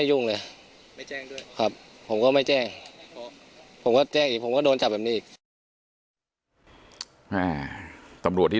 จังด้วยครับผมก็ไม่แจ้งผมว่าจ้ายผมก็โดนจับแบบนี้